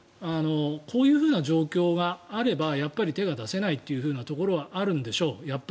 こういうふうな状況があればやっぱり手が出せないというところはあるんでしょう。